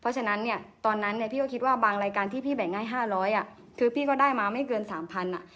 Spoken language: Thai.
เพราะฉะนั้นเนี่ยตอนนั้นเนี่ยพี่ก็คิดว่าบางรายการที่พี่แบ่งให้๕๐๐คือพี่ก็ได้มาไม่เกิน๓๐๐อ่ะ